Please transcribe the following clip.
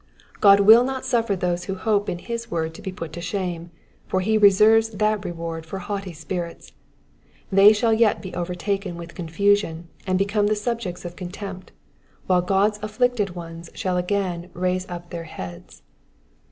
God will not suffer those wno hope in his word to be put to shame, for he reserves that reward for haughty spirits : they shall yet be overtaken with CUD fusion, and become the subjects of contempt, while God^s afflicted ones shall again lift up their heads.